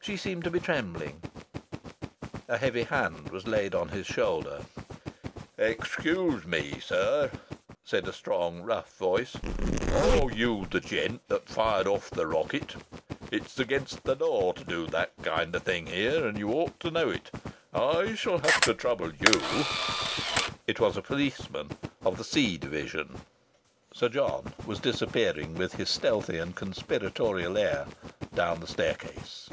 She seemed to be trembling. A heavy hand was laid on his shoulder. "Excuse me, sir," said a strong, rough voice, "are you the gent that fired off the rocket? It's against the law to do that kind o' thing here, and you ought to know it. I shall have to trouble you " It was a policeman of the C Division. Sir John was disappearing, with his stealthy and conspiratorial air, down the staircase.